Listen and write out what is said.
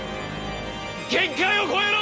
限界を超えろ！